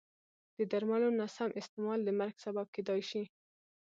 د درملو نه سم استعمال د مرګ سبب کېدای شي.